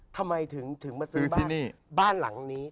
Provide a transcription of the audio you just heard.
ทำไมถึงมาซื้อบ้านหลังนี้